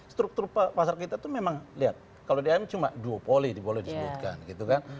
struktur pasar kita tuh memang lihat kalau di im cuma duopoly boleh disebutkan gitu kan